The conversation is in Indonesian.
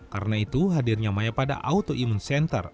karena itu hadirnya mayapada autoimun center